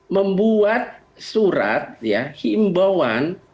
membuat surat ya himbauan